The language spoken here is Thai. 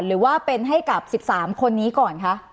หรือว่าเป็นให้กับ๑๓คนนี้ก่อนคะ